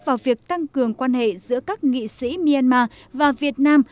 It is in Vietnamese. vào việc tăng cường quan hệ giữa các nghị sĩ myanmar và việt nam